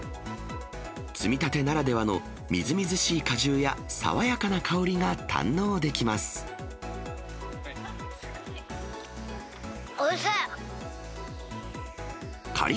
摘みたてならではのみずみずしい果汁や、爽やかな香りが堪能できおいしい。